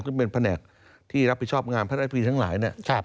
ซึ่งเป็นแผนกที่รับผิดชอบงานพระราชพิธีทั้งหลายเนี่ย